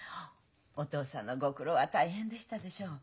お父さんのご苦労は大変でしたでしょう。